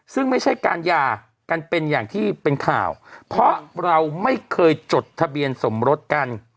ซึ่งไม่ใช่การหย่ากันเป็นอย่างที่เป็นข่าวเพราะเราไม่เคยจดทะเบียนสมรสกัน